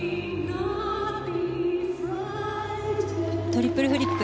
トリプルフリップ。